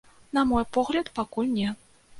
На мой погляд, пакуль не.